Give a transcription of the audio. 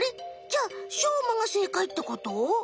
じゃあしょうまがせいかいってこと？